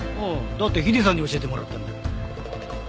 だってヒデさんに教えてもらったんだから。